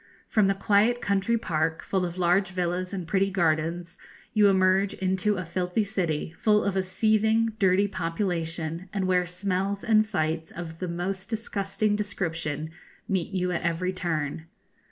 From the quiet country park, full of large villas and pretty gardens, you emerge into a filthy city, full of a seething, dirty population, and where smells and sights of the most disgusting description meet you at every turn.